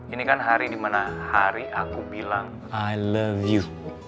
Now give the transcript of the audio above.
ini kan hari dimana hari aku bilang i love you